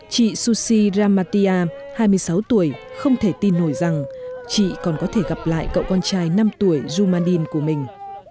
chị sushi ramatia hai mươi sáu tuổi không thể tin nổi rằng chị còn có thể gặp lại cậu con trai năm tuổi rumandin của mình